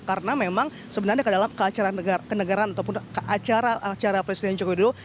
karena memang sebenarnya dalam keacaraan kenegaran ataupun keacaraan presiden jokowi dodo